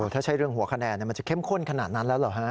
ถ้าใช่เรื่องหัวคะแนนมันจะเข้มข้นขนาดนั้นแล้วเหรอฮะ